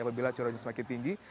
apabila curahnya semakin tinggi